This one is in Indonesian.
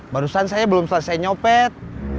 barusan saya belum selesai nyopet